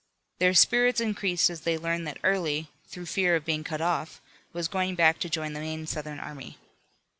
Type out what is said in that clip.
Their spirits increased as they learned that Early, through fear of being cut off, was going back to join the main Southern army.